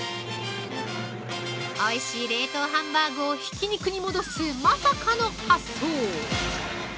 おいしい冷凍ハンバーグをひき肉に戻すまさかの発想。